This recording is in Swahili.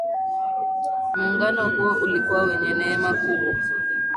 Muungano huo ulikuwa wenye neema kubwa